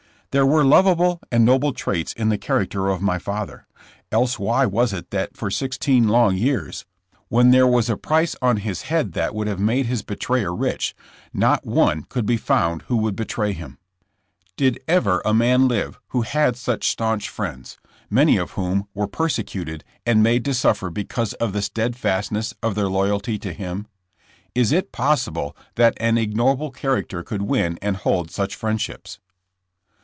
There were lovable and noble traits in the char acter of my father, else why was it that for sixteen long years, when there was a price on his head that 4 PREFACE. would have made his betrayer rich, not one could be found who would betray him. Did ever a man live who had such staunch friends, many of whom were persecuted and made to suffer because of the stead fastness of their loyalty to him? Is it possible that an ignoble character could win and hold such friend ships